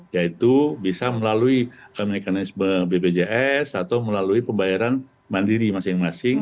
yaitu bisa melalui mekanisme bpjs atau melalui pembayaran mandiri masing masing